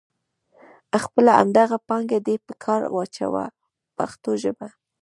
خپله همدغه پانګه دې په کار واچوه په پښتو ژبه.